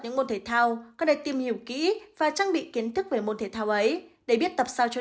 những môn thể thao con đã tìm hiểu kỹ và trang bị kiến thức về môn thể thao ấy để biết tập sao cho